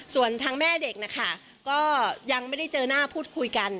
ส่วนคนแม่เด็กก็ยังมั่ดได้เจอหน้าพูดคุย